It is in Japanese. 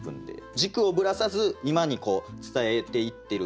軸をぶらさず今にこう伝えていってる。